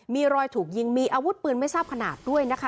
มีรอยถูกยิงมีอาวุธปืนไม่ทราบขนาดด้วยนะคะ